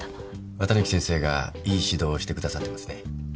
綿貫先生がいい指導をしてくださってますね。